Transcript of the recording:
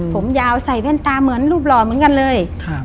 ผมยาวใส่แว่นตาเหมือนรูปหล่อเหมือนกันเลย